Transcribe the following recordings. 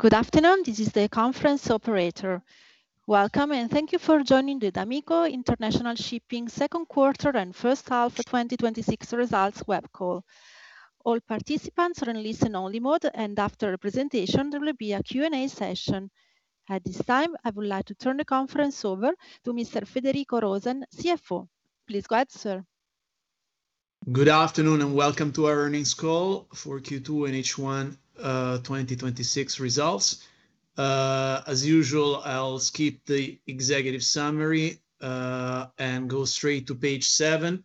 Good afternoon. This is the conference operator. Welcome, and thank you for joining the d'Amico International Shipping Q2 and H1 2026 results web call. All participants are in listen only mode, and after the presentation, there will be a Q&A session. At this time, I would like to turn the conference over to Mr. Federico Rosen, CFO. Please go ahead, sir. Good afternoon. Welcome to our earnings call for Q2 and H1 2026 results. As usual, I'll skip the executive summary, and go straight to page seven.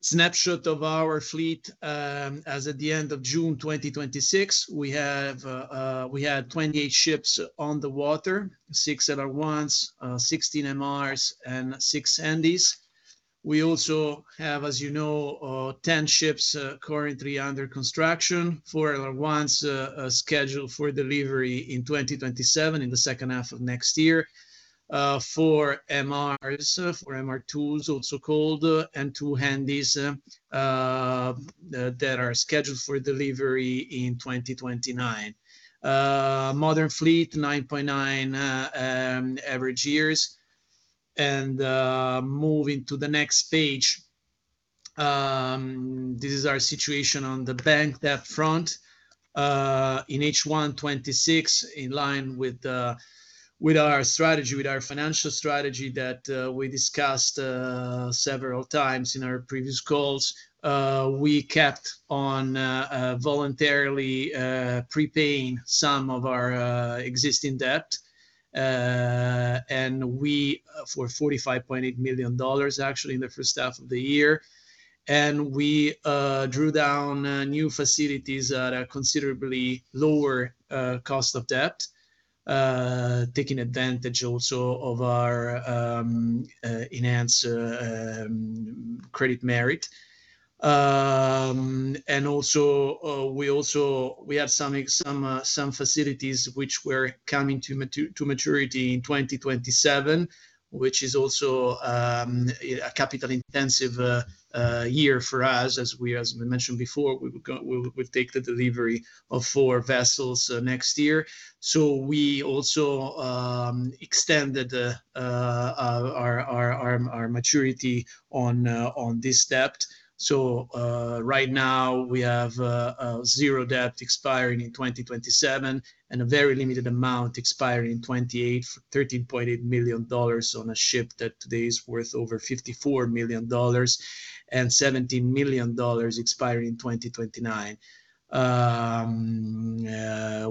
Snapshot of our fleet. As at the end of June 2026, we had 28 ships on the water, six LR1s, 16 MRs, and six Handys. We also have, as you know, 10 ships currently under construction, four LR1s scheduled for delivery in 2027 in the H2 of next year. Four MRs, four MR2s also called, and two Handys that are scheduled for delivery in 2029. Modern fleet, 9.9 average years. Moving to the next page. This is our situation on the bank debt front. In H1 2026, in line with our financial strategy that we discussed several times in our previous calls, we kept on voluntarily prepaying some of our existing debt. We, for $45.8 million actually in the H1 of the year, and we drew down new facilities at a considerably lower cost of debt, taking advantage also of our enhanced credit merit. We also have some facilities which were coming to maturity in 2027, which is also a capital-intensive year for us, as we mentioned before, we would take the delivery of four vessels next year. We also extended our maturity on this debt. Right now we have zero debt expiring in 2027 and a very limited amount expiring in 2028 for $13.8 million on a ship that today is worth over $54 million and $17 million expiring in 2029.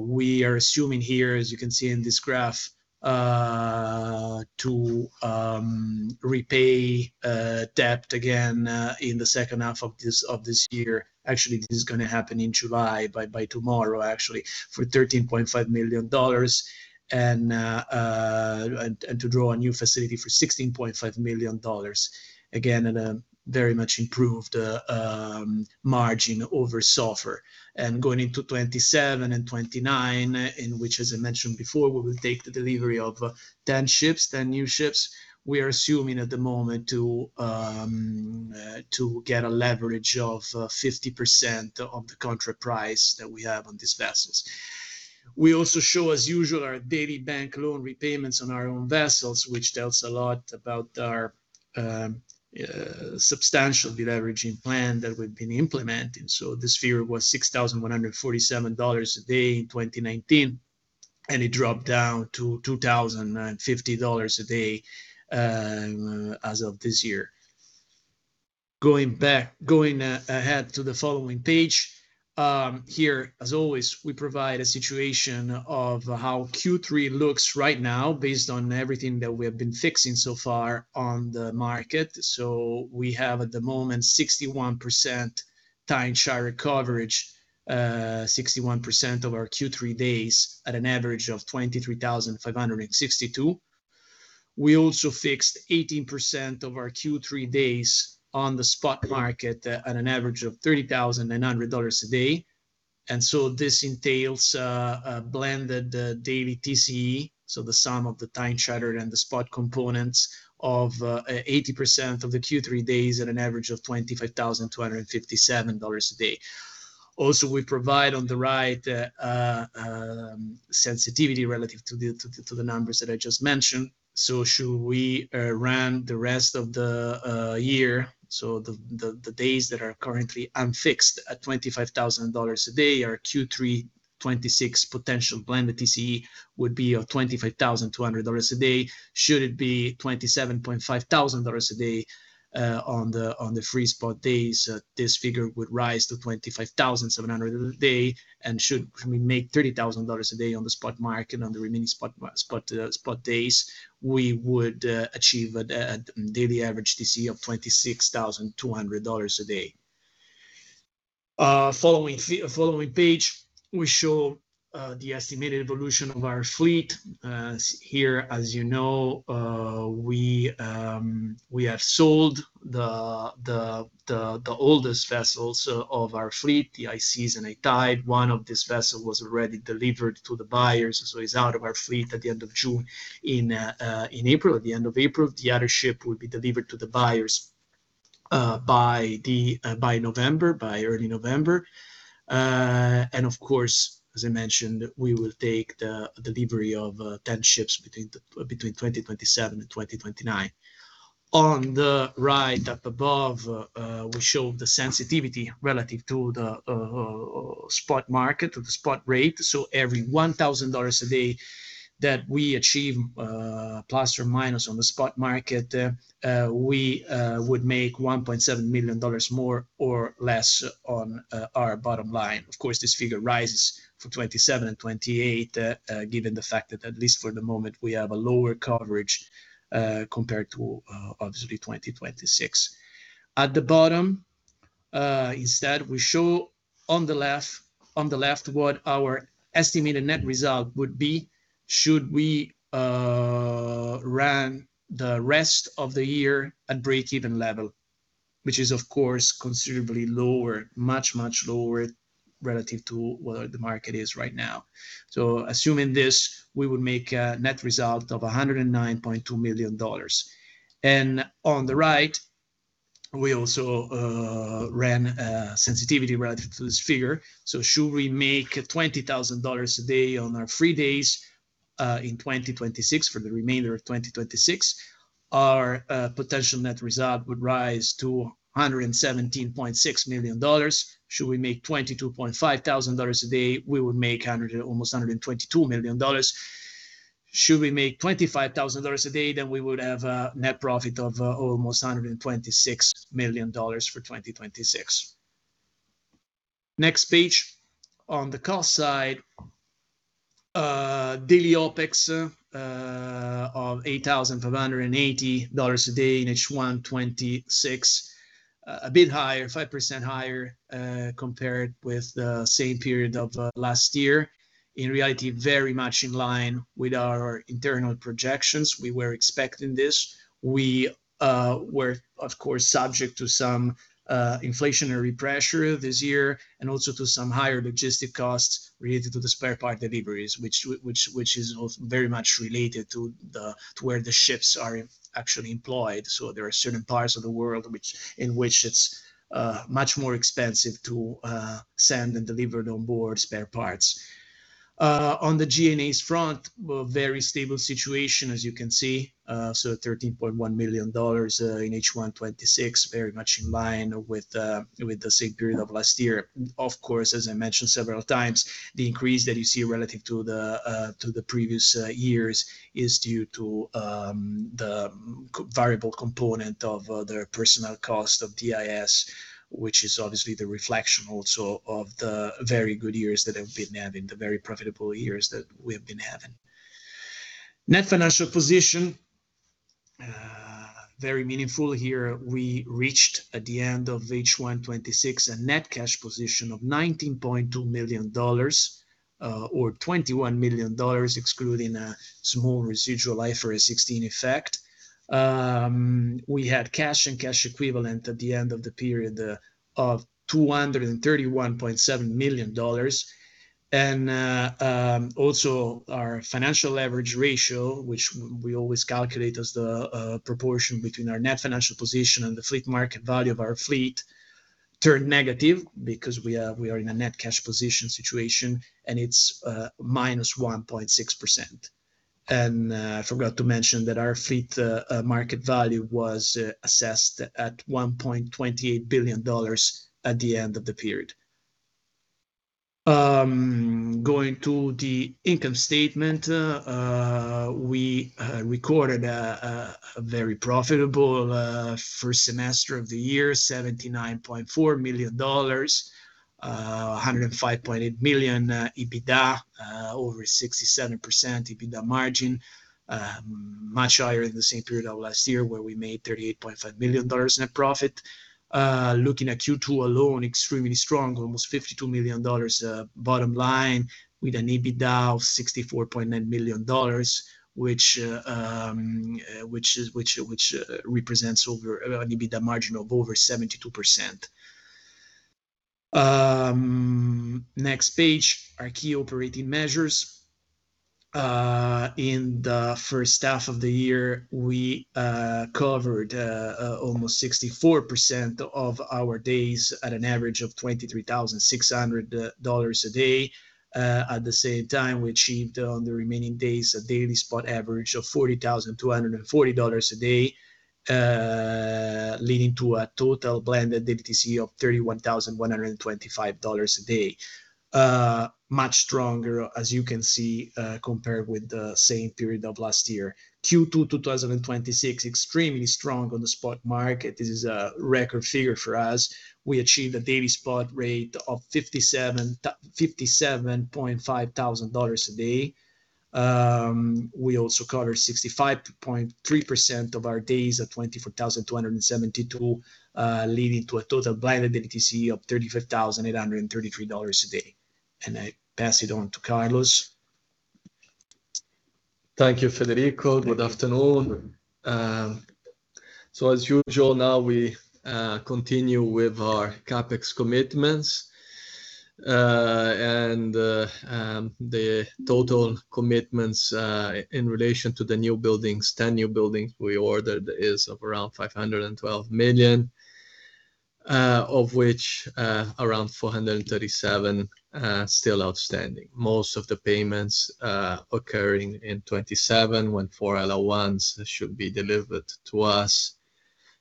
We are assuming here, as you can see in this graph, to repay debt again, in the H2 of this year. Actually, this is going to happen in July, by tomorrow actually, for $13.5 million and to draw a new facility for $16.5 million, again at a very much improved margin over SOFR. Going into 2027 and 2029 in which, as I mentioned before, we will take the delivery of 10 new ships. We are assuming at the moment to get a leverage of 50% of the contract price that we have on these vessels. We also show, as usual, our daily bank loan repayments on our own vessels, which tells a lot about our substantial de-leveraging plan that we've been implementing. This figure was $6,147 a day in 2019, and it dropped down to $2,050 a day as of this year. Going ahead to the following page. Here, as always, we provide a situation of how Q3 looks right now based on everything that we have been fixing so far on the market. We have at the moment 61% time charter coverage, 61% of our Q3 days at an average of $23,562. We also fixed 18% of our Q3 days on the spot market at an average of $30,900 a day. This entails a blended daily TCE, the sum of the time charter and the spot components of 80% of the Q3 days at an average of $25,257 a day. Also, we provide on the right sensitivity relative to the numbers that I just mentioned. Should we run the rest of the year, the days that are currently unfixed at $25,000 a day, our Q3 2026 potential blended TCE would be of $25,200 a day. Should it be $27,500 a day on the free spot days, this figure would rise to $25,700 a day. Should we make $30,000 a day on the spot market on the remaining spot days, we would achieve a daily average TCE of $26,200 a day. Following page, we show the estimated evolution of our fleet. Here, as you know, we have sold the oldest vessels of our fleet, the High Seas and High Tide. One of this vessel was already delivered to the buyers, so is out of our fleet at the end of June. In April, at the end of April, the other ship will be delivered to the buyers by early November. Of course, as I mentioned, we will take the delivery of 10 ships between 2027 and 2029. On the right up above, we show the sensitivity relative to the spot market or the spot rate. Every $1,000 a day that we achieve plus or minus on the spot market, we would make $1.7 million more or less on our bottom line. Of course, this figure rises for 2027 and 2028, given the fact that at least for the moment, we have a lower coverage compared to obviously 2026. At the bottom, instead, we show on the left what our estimated net result would be should we run the rest of the year at breakeven level, which is of course considerably lower, much, much lower relative to where the market is right now. Assuming this, we would make a net result of $109.2 million. On the right, we also ran sensitivity relative to this figure. Should we make $20,000 a day on our free days in 2026 for the remainder of 2026, our potential net result would rise to $117.6 million. Should we make $22,500 a day, we would make almost $122 million. Should we make $25,000 a day, we would have a net profit of almost $126 million for 2026. Next page. On the cost side, daily OpEx of $8,580 a day in H1 2026. A bit higher, 5% higher, compared with the same period of last year. In reality, very much in line with our internal projections. We were expecting this. We were, of course, subject to some inflationary pressure this year, and also to some higher logistic costs related to the spare part deliveries, which is very much related to where the ships are actually employed. There are certain parts of the world in which it's much more expensive to send and deliver on board spare parts. On the G&A front, very stable situation as you can see. $13.1 million in H1 2026, very much in line with the same period of last year. Of course, as I mentioned several times, the increase that you see relative to the previous years is due to the variable component of the personal cost of DIS, which is obviously the reflection also of the very good years that have been having, the very profitable years that we have been having. Net financial position, very meaningful here. We reached at the end of H1 2026, a net cash position of $19.2 million, or $221 million, excluding a small residual IFRS 16 effect. We had cash and cash equivalent at the end of the period of $231.7 million. Also our financial leverage ratio, which we always calculate as the proportion between our net financial position and the fleet market value of our fleet, turned negative because we are in a net cash position situation, and it's minus 1.6%. I forgot to mention that our fleet market value was assessed at $1.28 billion at the end of the period. Going to the income statement. We recorded a very profitable first semester of the year, $79.4 million, $105.8 million EBITDA, over 67% EBITDA margin. Much higher in the same period of last year where we made $38.5 million net profit. Looking at Q2 alone, extremely strong, almost $52 million bottom line with an EBITDA of $64.9 million, which represents over an EBITDA margin of over 72%. Next page, our key operating measures. In the H1 of the year, we covered almost 64% of our days at an average of $23,600 a day. At the same time, we achieved on the remaining days, a daily spot average of $40,240 a day, leading to a total blended TCE of $31,125 a day. Much stronger as you can see, compared with the same period of last year. Q2 2026, extremely strong on the spot market. This is a record figure for us. We achieved a daily spot rate of $57,500 a day. We also covered 65.3% of our days at $24,272, leading to a total blended TCE of $35,833 a day. I pass it on to Carlos. Thank you, Federico. Good afternoon. As usual now, we continue with our CapEx commitments. The total commitments in relation to the new buildings, 10 new buildings we ordered, is of around $512 million, of which around $437 million are still outstanding. Most of the payments occurring in 2027, when four MR1s should be delivered to us,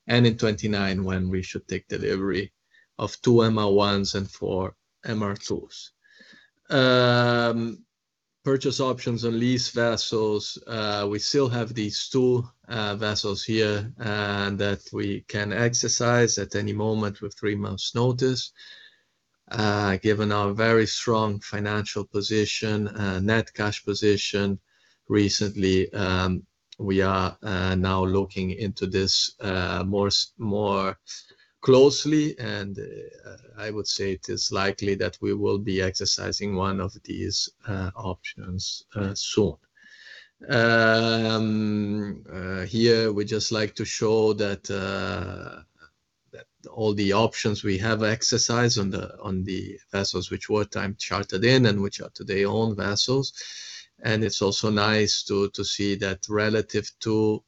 and in 2029 when we should take delivery of two MR1s and four MR2s. Purchase options on lease vessels. We still have these two vessels here that we can exercise at any moment with three months' notice. Given our very strong financial position, net cash position recently, we are now looking into this more closely, and I would say it is likely that we will be exercising one of these options soon. Here we just like to show that all the options we have exercised on the vessels which were time chartered in and which are today owned vessels. It's also nice to see that relative to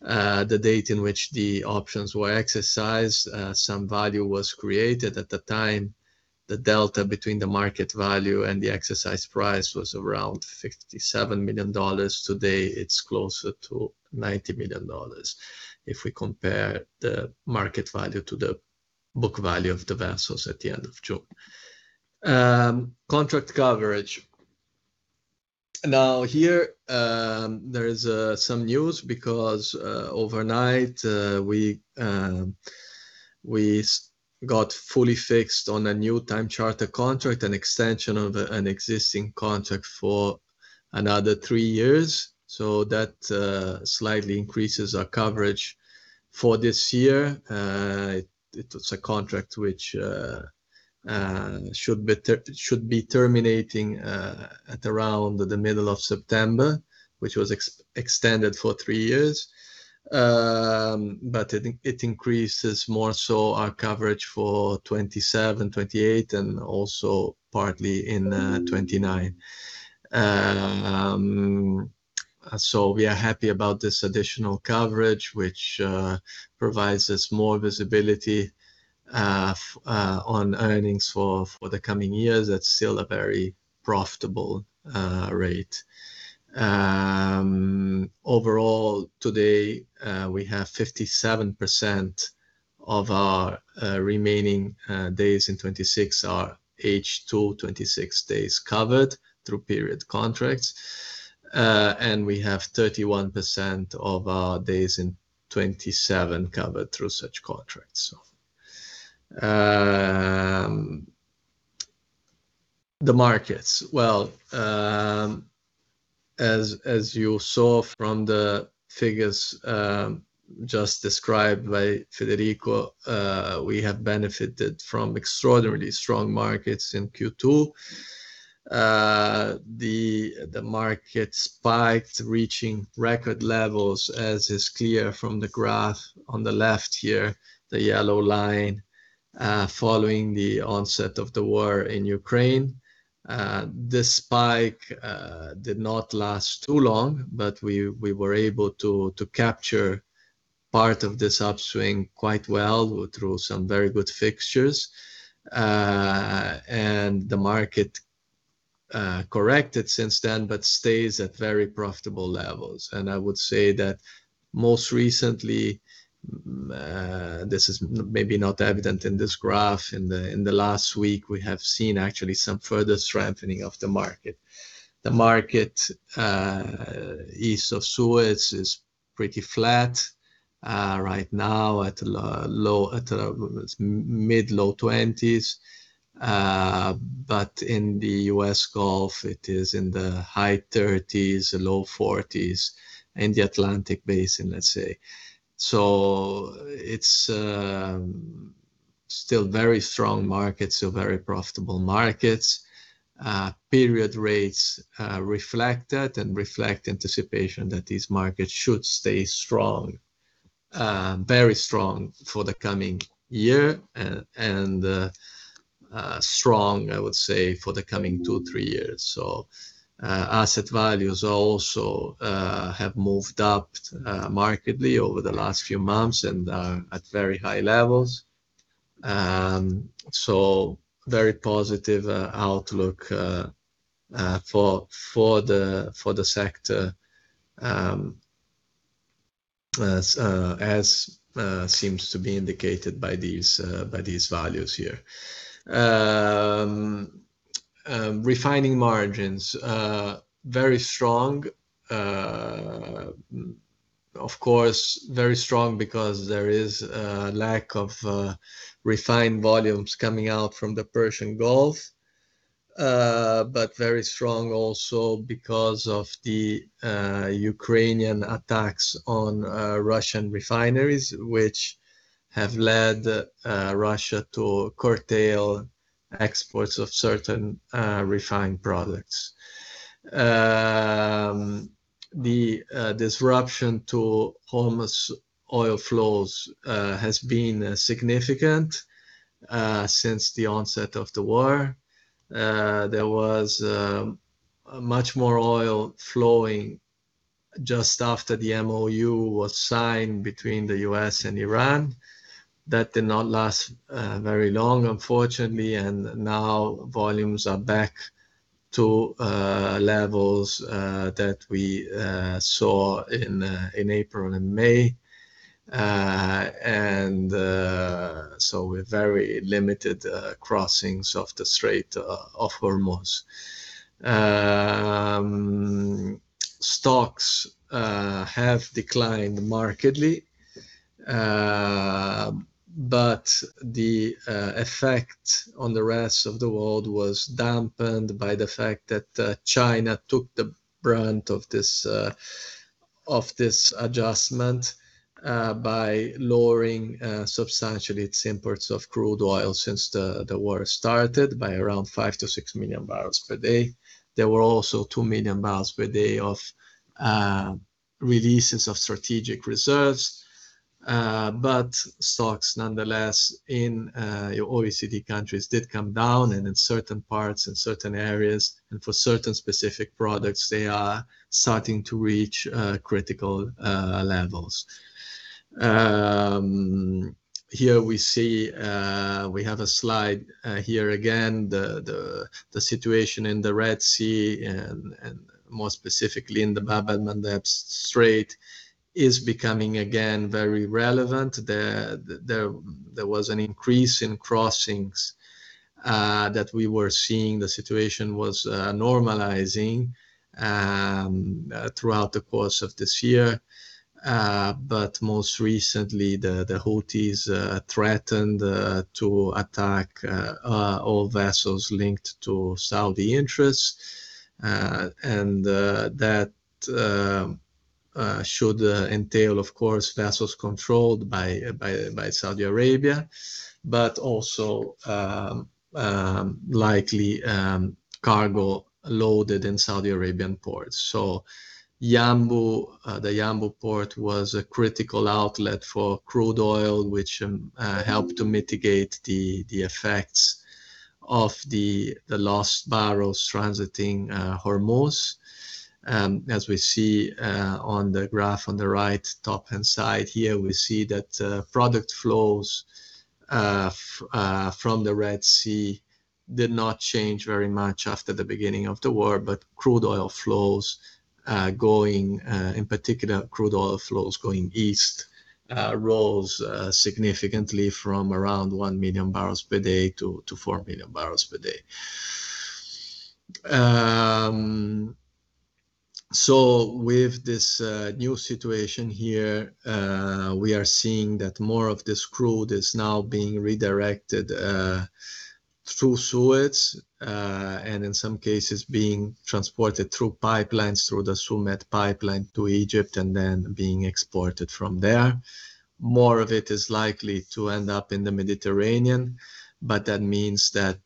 the date in which the options were exercised, some value was created. At the time, the delta between the market value and the exercise price was around $57 million. Today, it's closer to $90 million if we compare the market value to the book value of the vessels at the end of June. Contract coverage. Here there is some news because overnight we got fully fixed on a new time charter contract, an extension of an existing contract for another three years. That slightly increases our coverage for this year. It was a contract which should be terminating at around the middle of September, which was extended for three years. It increases more so our coverage for 2027, 2028, and also partly in 2029. We are happy about this additional coverage, which provides us more visibility on earnings for the coming years at still a very profitable rate. Overall, today we have 57% of our remaining days in 2026, our H2 2026 days covered through period contracts. We have 31% of our days in 2027 covered through such contracts. The markets. Well, as you saw from the figures just described by Federico, we have benefited from extraordinarily strong markets in Q2. The market spiked, reaching record levels, as is clear from the graph on the left here, the yellow line following the onset of the war in Ukraine. This spike did not last too long, but we were able to capture part of this upswing quite well through some very good fixtures. The market corrected since then, but stays at very profitable levels. I would say that most recently, this is maybe not evident in this graph. In the last week, we have seen actually some further strengthening of the market. The market east of Suez is pretty flat right now at the mid-low 20s. In the U.S. Gulf, it is in the high 30s, low 40s, in the Atlantic Basin, let's say. It's still very strong markets, so very profitable markets. Period rates reflect that and reflect anticipation that these markets should stay strong. Very strong for the coming year and strong, I would say, for the coming two, three years. Asset values also have moved up markedly over the last few months and are at very high levels. Very positive outlook for the sector as seems to be indicated by these values here. Refining margins, very strong. Of course, very strong because there is a lack of refined volumes coming out from the Persian Gulf. Very strong also because of the Ukrainian attacks on Russian refineries, which have led Russia to curtail exports of certain refined products. The disruption to Hormuz oil flows has been significant since the onset of the war. There was much more oil flowing just after the MOU was signed between the U.S. and Iran. That did not last very long, unfortunately, and now volumes are back to levels that we saw in April and May. With very limited crossings of the Strait of Hormuz. Stocks have declined markedly, the effect on the rest of the world was dampened by the fact that China took the brunt of this adjustment by lowering substantially its imports of crude oil since the war started, by around 5-6 million barrels per day. There were also 2 million barrels per day of releases of strategic reserves. Stocks, nonetheless, in OECD countries did come down, and in certain parts, in certain areas, and for certain specific products, they are starting to reach critical levels. We have a slide here again, the situation in the Red Sea, and more specifically in the Bab el-Mandeb Strait, is becoming, again, very relevant. There was an increase in crossings that we were seeing. The situation was normalizing throughout the course of this year. Most recently, the Houthis threatened to attack all vessels linked to Saudi interests. That should entail, of course, vessels controlled by Saudi Arabia, but also likely cargo loaded in Saudi Arabian ports. The Yanbu Port was a critical outlet for crude oil, which helped to mitigate the effects of the lost barrels transiting Hormuz. As we see on the graph on the right top-hand side here, we see that product flows from the Red Sea did not change very much after the beginning of the war, but in particular, crude oil flows going east rose significantly from around 1 million barrels per day to 4 million barrels per day. With this new situation here, we are seeing that more of this crude is now being redirected through Suez, and in some cases, being transported through pipelines, through the Sumed Pipeline to Egypt, and then being exported from there. More of it is likely to end up in the Mediterranean, that means that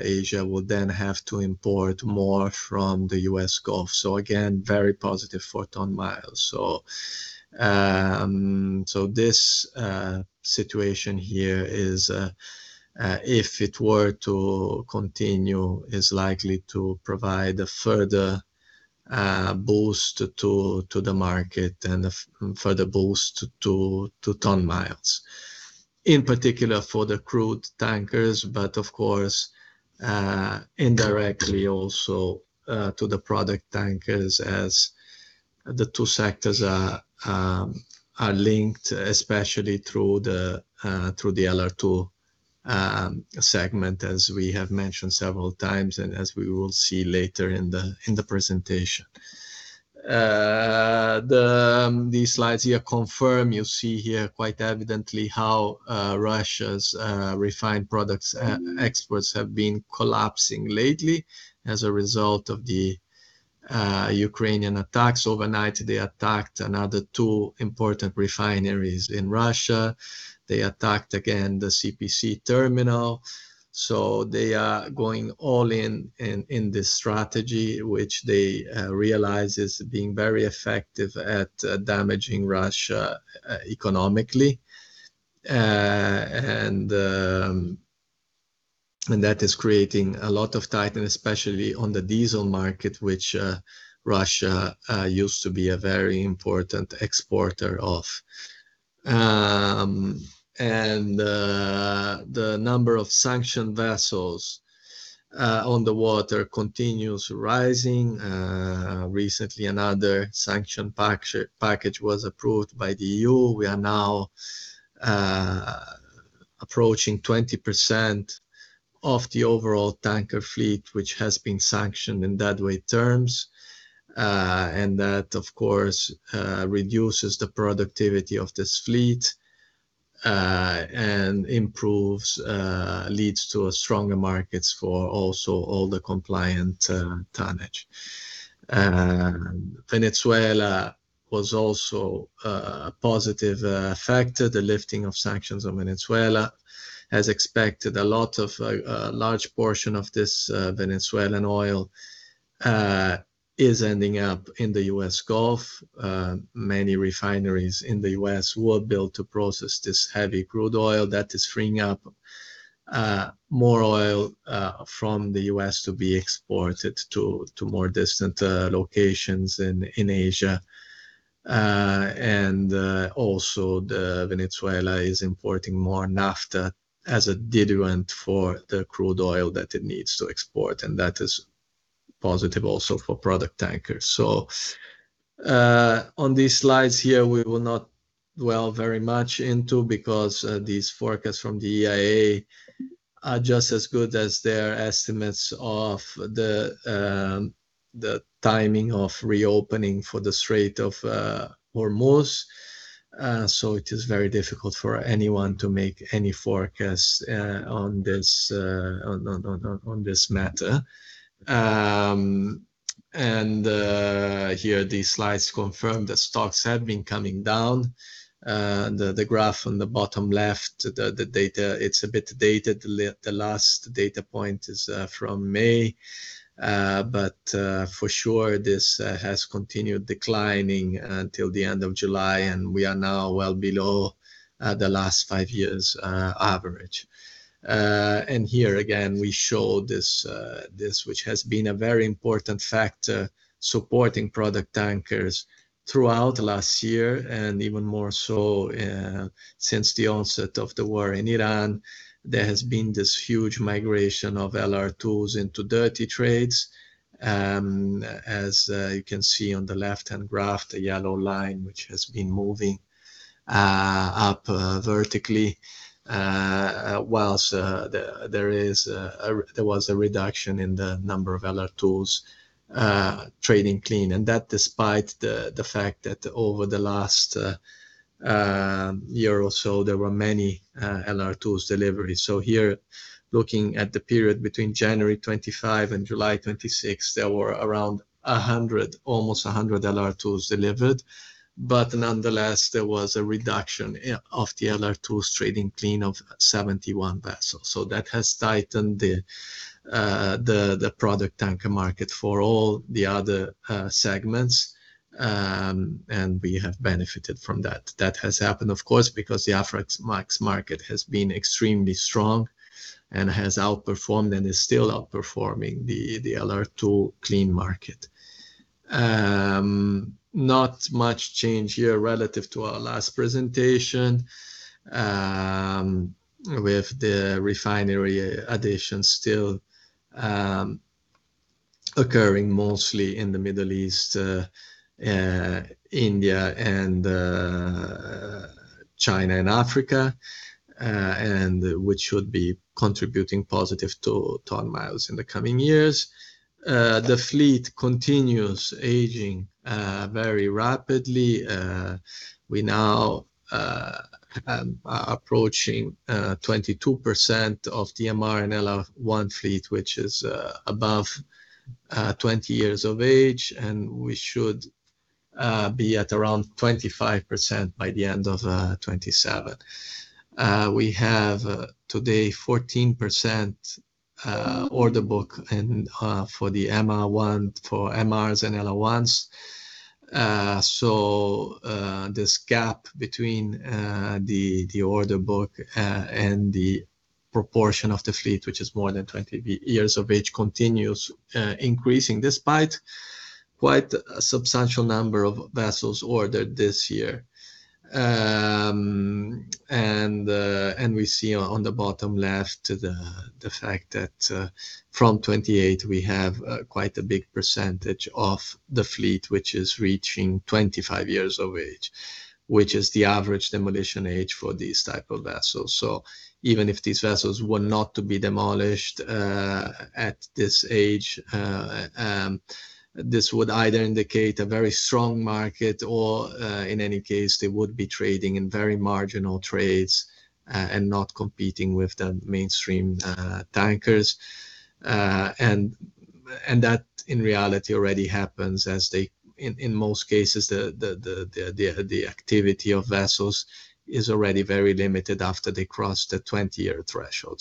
Asia will then have to import more from the U.S. Gulf. Again, very positive for ton-miles. This situation here, if it were to continue, is likely to provide a further boost to the market and a further boost to ton-miles, in particular for the crude tankers, but, of course, indirectly also to the product tankers as the two sectors are linked, especially through the LR2 segment, as we have mentioned several times and as we will see later in the presentation. These slides here confirm, you see here quite evidently how Russia's refined products exports have been collapsing lately as a result of the Ukrainian attacks. Overnight, they attacked another two important refineries in Russia. They attacked again the CPC terminal. They are going all in in this strategy, which they realize is being very effective at damaging Russia economically. That is creating a lot of tightness, especially on the diesel market, which Russia used to be a very important exporter of. The number of sanctioned vessels on the water continues rising. Recently, another sanction package was approved by the EU. We are now approaching 20% of the overall tanker fleet, which has been sanctioned in deadweight terms. That, of course, reduces the productivity of this fleet and leads to stronger markets for also all the compliant tonnage. Venezuela was also a positive factor, the lifting of sanctions on Venezuela. As expected, a large portion of this Venezuelan oil is ending up in the U.S. Gulf. Many refineries in the U.S. were built to process this heavy crude oil that is freeing up more oil from the U.S. to be exported to more distant locations in Asia. Venezuela is importing more naphtha as a diluent for the crude oil that it needs to export, and that is positive also for product tankers. On these slides here, we will not dwell very much into because these forecasts from the EIA are just as good as their estimates of the timing of reopening for the Strait of Hormuz. It is very difficult for anyone to make any forecast on this matter. Here these slides confirm that stocks have been coming down. The graph on the bottom left, the data, it's a bit dated. The last data point is from May, but for sure, this has continued declining until the end of July, and we are now well below the last five years' average. Here again, we show this, which has been a very important factor supporting product tankers throughout last year and even more so since the onset of the war in Iran. There has been this huge migration of LR2s into dirty trades. As you can see on the left-hand graph, the yellow line, which has been moving up vertically, whilst there was a reduction in the number of LR2s trading clean. That despite the fact that over the last year or so, there were many LR2s deliveries. Here, looking at the period between January 25 and July 26, there were around almost 100 LR2s delivered. Nonetheless, there was a reduction of the LR2s trading clean of 71 vessels. That has tightened the product tanker market for all the other segments, and we have benefited from that. That has happened, of course, because the Aframax market has been extremely strong and has outperformed and is still outperforming the LR2 clean market. Not much change here relative to our last presentation with the refinery additions still occurring mostly in the Middle East, India and China and Africa, which should be contributing positive to ton-miles in the coming years. The fleet continues aging very rapidly. We now are approaching 22% of the MR and LR1 fleet, which is above 20 years of age, and we should be at around 25% by the end of 2027. We have today 14% order book for MRs and LR1s. This gap between the order book and the proportion of the fleet, which is more than 20 years of age, continues increasing despite quite a substantial number of vessels ordered this year. We see on the bottom left the fact that from 2028, we have quite a big percentage of the fleet, which is reaching 25 years of age, which is the average demolition age for these type of vessels. Even if these vessels were not to be demolished at this age, this would either indicate a very strong market or, in any case, they would be trading in very marginal trades, not competing with the mainstream tankers. That in reality already happens as in most cases, the activity of vessels is already very limited after they cross the 20-year threshold.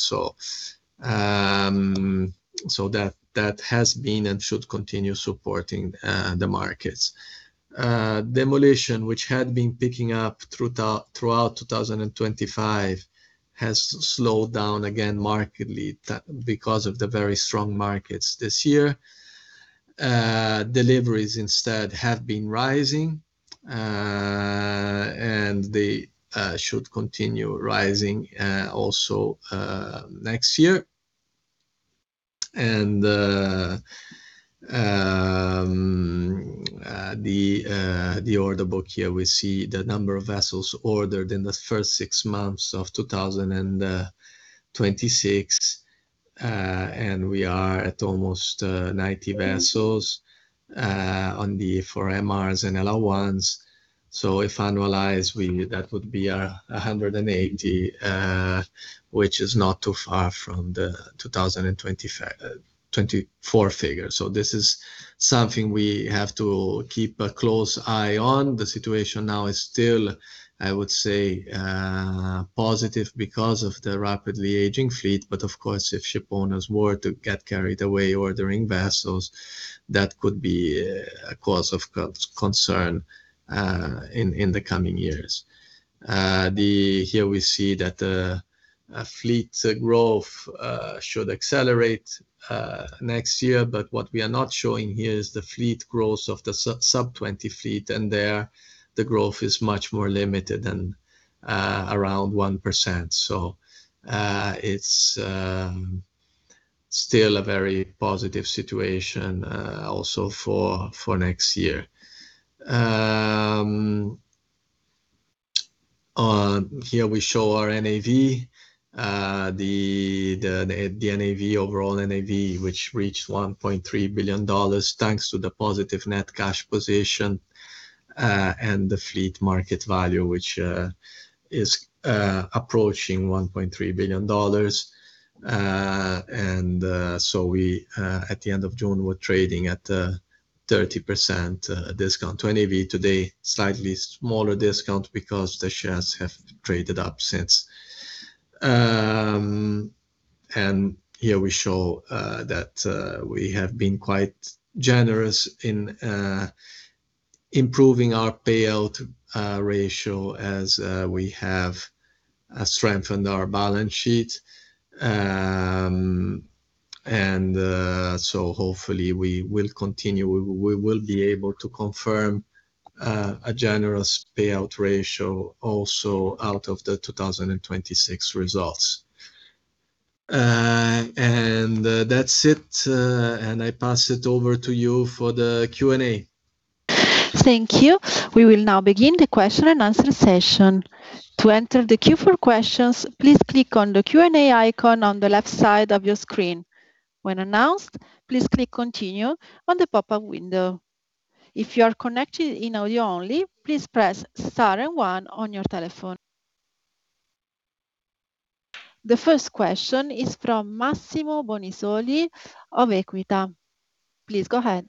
That has been and should continue supporting the markets. Demolition, which had been picking up throughout 2025, has slowed down again markedly because of the very strong markets this year. Deliveries instead have been rising, and they should continue rising also next year. The order book here, we see the number of vessels ordered in the first six months of 2026, and we are at almost 90 vessels for MRs and LR1s. If annualized, that would be 180, which is not too far from the 2024 figure. This is something we have to keep a close eye on. The situation now is still, I would say, positive because of the rapidly aging fleet, but of course, if ship owners were to get carried away ordering vessels, that could be a cause of concern in the coming years. Here we see that fleet growth should accelerate next year, but what we are not showing here is the fleet growth of the sub-20 fleet, and there, the growth is much more limited and around 1%. It's still a very positive situation also for next year. Here we show our NAV. The overall NAV, which reached $1.3 billion thanks to the positive net cash position and the fleet market value, which is approaching $1.3 billion. At the end of June, we're trading at a 30% discount to NAV. Today, slightly smaller discount because the shares have traded up since. Here we show that we have been quite generous in improving our payout ratio as we have strengthened our balance sheet. Hopefully we will continue. We will be able to confirm a generous payout ratio also out of the 2026 results. That's it, I pass it over to you for the Q&A. Thank you. We will now begin the question and answer session. To enter the queue for questions, please click on the Q&A icon on the left side of your screen. When announced, please click continue on the pop-up window. If you are connected in audio only, please press star and one on your telephone. The first question is from Massimo Bonisoli of Equita. Please go ahead.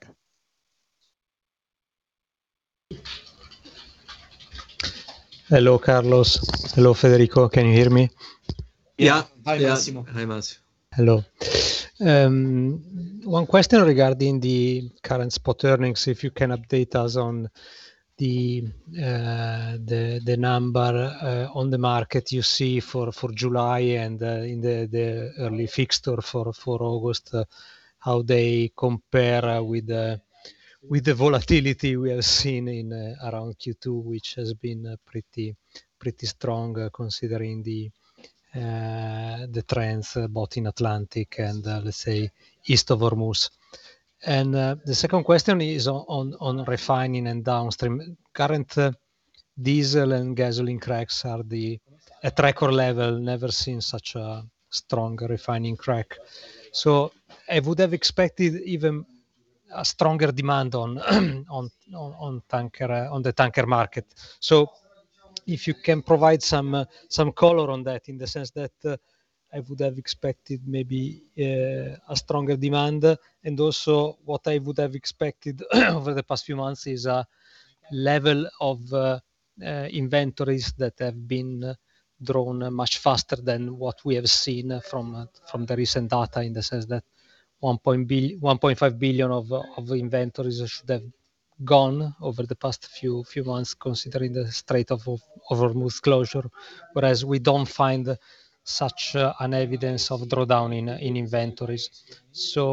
Hello, Carlos. Hello, Federico. Can you hear me? Yeah. Yes. Hi, Massimo. Hi, Mass. Hello. One question regarding the current spot earnings, if you can update us on the number on the market you see for July and in the early fixed or for August, how they compare with the volatility we have seen around Q2, which has been pretty strong considering the trends both in Atlantic and, let's say, East of Hormuz. The second question is on refining and downstream. Current diesel and gasoline cracks are at record level. Never seen such a strong refining crack. I would have expected even a stronger demand on the tanker market. If you can provide some color on that in the sense that I would have expected maybe a stronger demand. Also what I would have expected over the past few months is a level of inventories that have been drawn much faster than what we have seen from the recent data in the sense that $1.5 billion of inventories should have gone over the past few months considering the Strait of Hormuz closure. We don't find such an evidence of drawdown in inventories.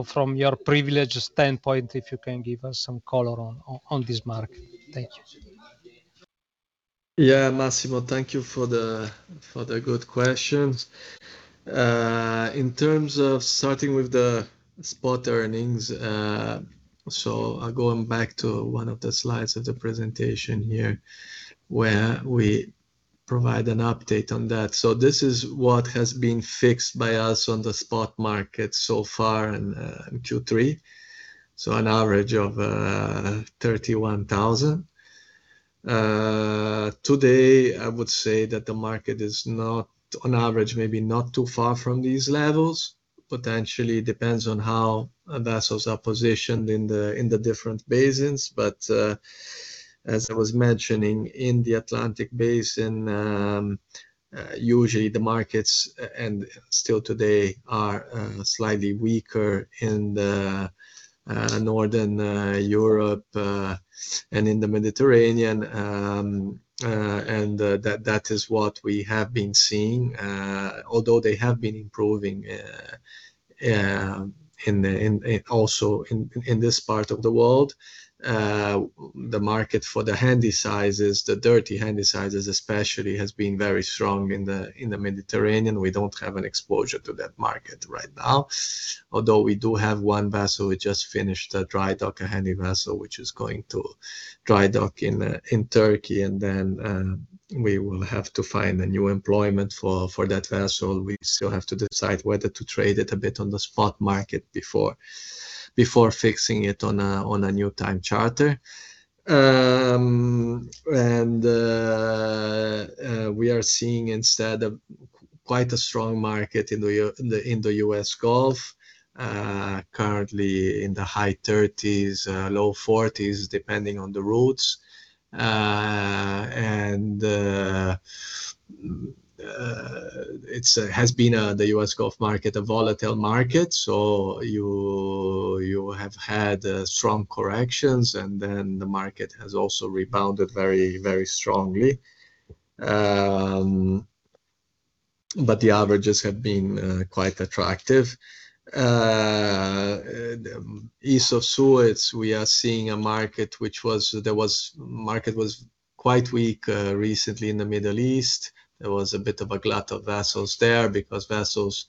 From your privileged standpoint, if you can give us some color on this market. Thank you. Massimo, thank you for the good questions. In terms of starting with the spot earnings, going back to one of the slides of the presentation here where we provide an update on that. This is what has been fixed by us on the spot market so far in Q3. An average of $31,000. Today, I would say that the market is not, on average, maybe not too far from these levels. Potentially, it depends on how vessels are positioned in the different basins. As I was mentioning, in the Atlantic basin, usually the markets, and still today, are slightly weaker in the Northern Europe and in the Mediterranean. That is what we have been seeing. They have been improving also in this part of the world. The market for the Handysize, the dirty Handysize especially, has been very strong in the Mediterranean. We don't have an exposure to that market right now. We do have one vessel, we just finished a dry dock, a handy vessel, which is going to dry dock in Turkey, then we will have to find a new employment for that vessel. We still have to decide whether to trade it a bit on the spot market before fixing it on a new time charter. We are seeing instead quite a strong market in the US Gulf, currently in the high 30s, low 40s, depending on the routes. It has been, the US Gulf market, a volatile market, you have had strong corrections, then the market has also rebounded very strongly. The averages have been quite attractive. East of Suez, we are seeing a market which was quite weak recently in the Middle East. There was a bit of a glut of vessels there because vessels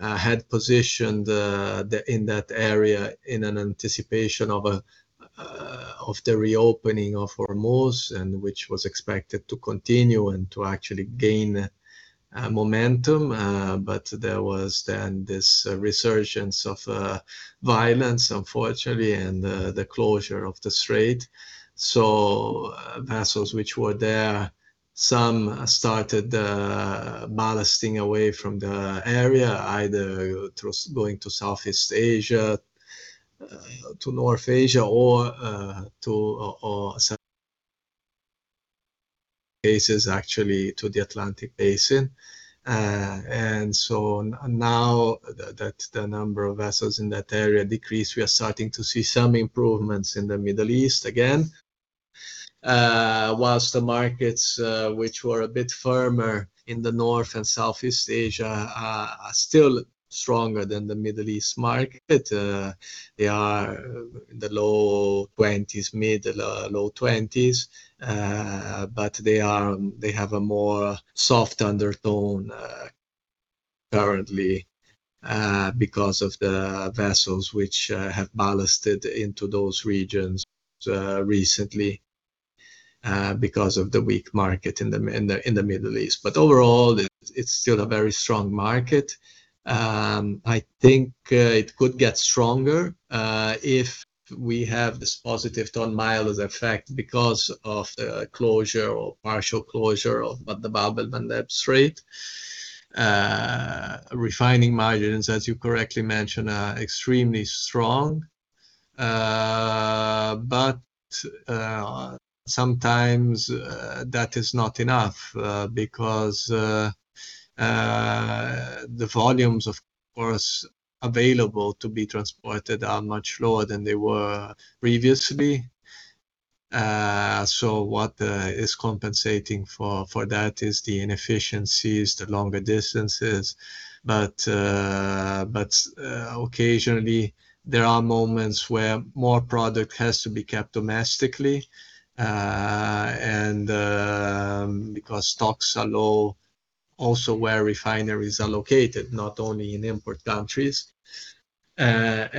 had positioned in that area in an anticipation of the reopening of Hormuz, which was expected to continue and to actually gain momentum. There was then this resurgence of violence, unfortunately, and the closure of the strait. Vessels which were there, some started ballasting away from the area, either going to Southeast Asia, to North Asia, or some cases actually to the Atlantic basin. Now that the number of vessels in that area decrease, we are starting to see some improvements in the Middle East again. The markets which were a bit firmer in the North and Southeast Asia are still stronger than the Middle East market. They are in the low 20s, mid, low 20s. They have a more soft undertone currently, because of the vessels which have ballasted into those regions recently, because of the weak market in the Middle East. Overall, it's still a very strong market. I think it could get stronger if we have this positive ton-mile effect because of the closure or partial closure of the Bab el-Mandeb Strait. Refining margins, as you correctly mentioned, are extremely strong. Sometimes that is not enough because the volumes, of course, available to be transported are much lower than they were previously. What is compensating for that is the inefficiencies, the longer distances. Occasionally, there are moments where more product has to be kept domestically, and because stocks are low, also where refineries are located, not only in import countries. That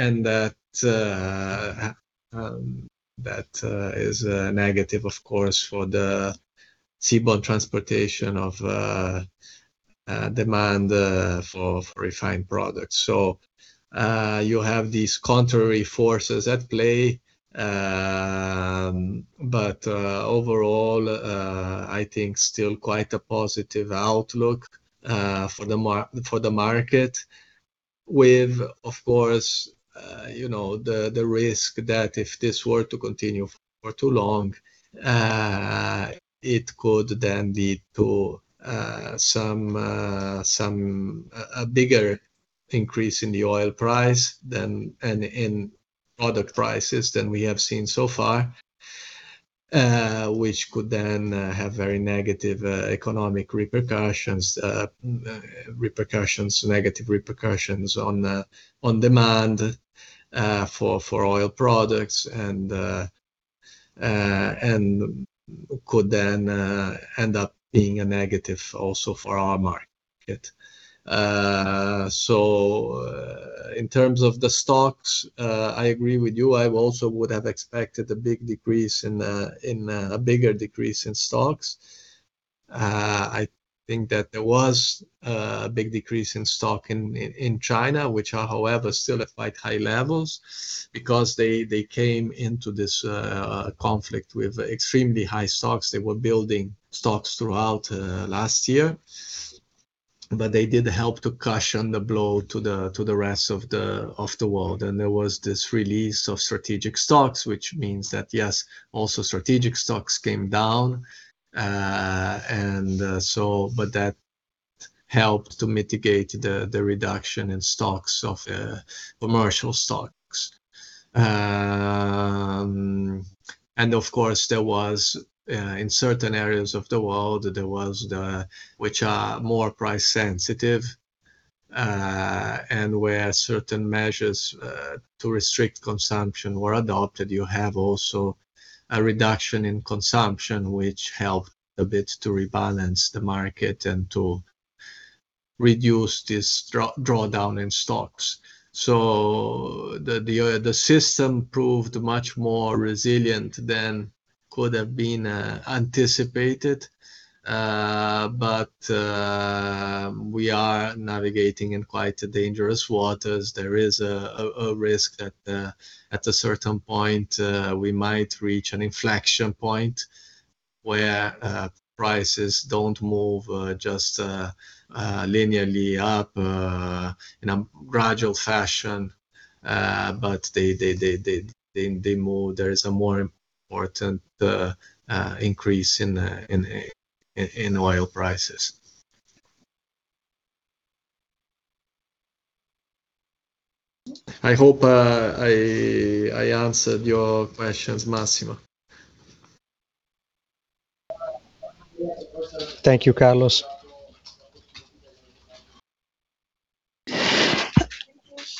is negative, of course, for the seaborne transportation of demand for refined products. You have these contrary forces at play, but overall, I think still quite a positive outlook for the market. With, of course, the risk that if this were to continue for too long, it could then lead to a bigger increase in the oil price and in product prices than we have seen so far, which could then have very negative economic repercussions, negative repercussions on demand for oil products, and could then end up being a negative also for our market. In terms of the stocks, I agree with you. I also would have expected a bigger decrease in stocks. I think that there was a big decrease in stock in China, which are, however, still at quite high levels because they came into this conflict with extremely high stocks. They were building stocks throughout last year. They did help to cushion the blow to the rest of the world. There was this release of strategic stocks, which means that, yes, also strategic stocks came down. That helped to mitigate the reduction in stocks of commercial stocks. Of course, there was, in certain areas of the world, there was the which are more price sensitive, and where certain measures to restrict consumption were adopted. You have also a reduction in consumption, which helped a bit to rebalance the market and to reduce this drawdown in stocks. The system proved much more resilient than could have been anticipated. We are navigating in quite dangerous waters. There is a risk that at a certain point, we might reach an inflection point where prices don't move just linearly up in a gradual fashion, but there is a more important increase in oil prices. I hope I answered your questions, Massimo. Thank you, Carlos.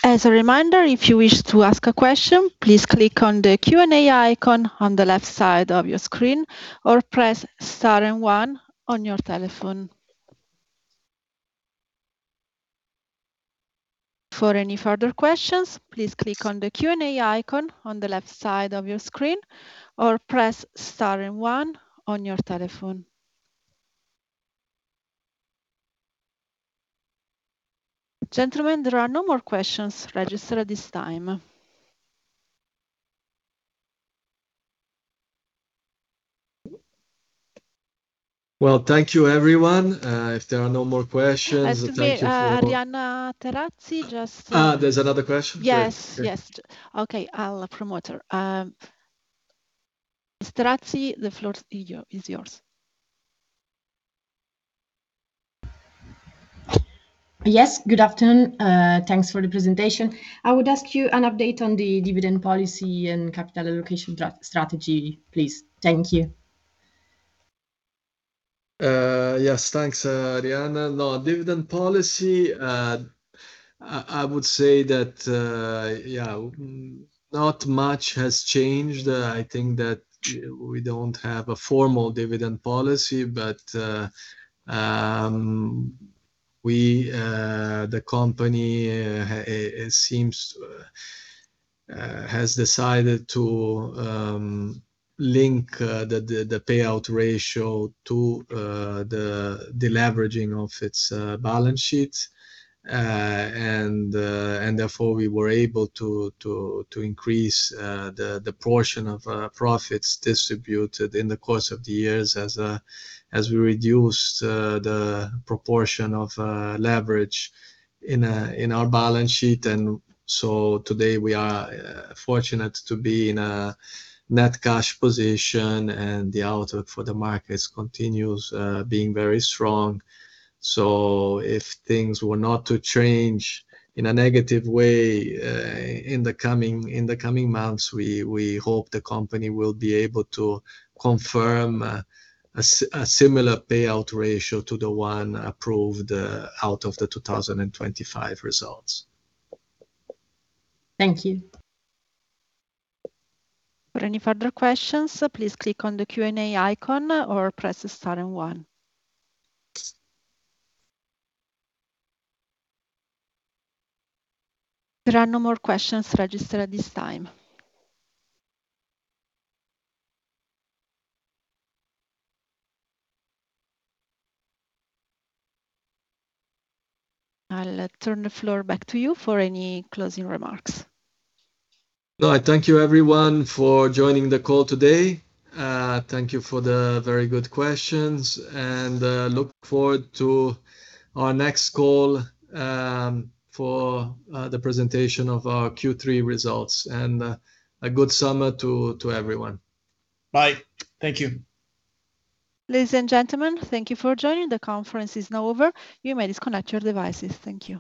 As a reminder, if you wish to ask a question, please click on the Q&A icon on the left side of your screen, or press star and one on your telephone. For any further questions, please click on the Q&A icon on the left side of your screen, or press star and one on your telephone. Gentlemen, there are no more questions registered at this time. Well, thank you everyone. If there are no more questions. Excuse me, Arianna Terazzi. There's another question? Yes. Okay. I'll promote her. Ms. Terazzi, the floor is yours. Yes, good afternoon. Thanks for the presentation. I would ask you an update on the dividend policy and capital allocation strategy, please. Thank you. Yes. Thanks, Arianna. Dividend policy, I would say that not much has changed. I think that we don't have a formal dividend policy, but the company has decided to link the payout ratio to the deleveraging of its balance sheet. Therefore, we were able to increase the portion of profits distributed in the course of the years, as we reduced the proportion of leverage in our balance sheet. Today, we are fortunate to be in a net cash position, and the outlook for the markets continues being very strong. If things were not to change in a negative way in the coming months, we hope the company will be able to confirm a similar payout ratio to the one approved out of the 2025 results. Thank you. For any further questions, please click on the Q&A icon or press star and one. There are no more questions registered at this time. I'll turn the floor back to you for any closing remarks. No. I thank you everyone for joining the call today. Thank you for the very good questions. Look forward to our next call for the presentation of our Q3 results. A good summer to everyone. Bye. Thank you. Ladies and gentlemen, thank you for joining. The conference is now over. You may disconnect your devices. Thank you.